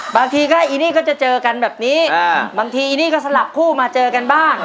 บางทีก็อีนี่ก็จะเจอกันแบบนี้บางทีอีนี่ก็สลับคู่มาเจอกันบ้าง